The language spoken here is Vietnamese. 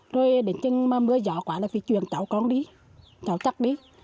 rồi đến chừng mà mưa gió quá là phải chuyển cháu con đi cháu chắc đi